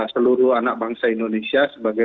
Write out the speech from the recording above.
seluruh anak bangsa indonesia sebagai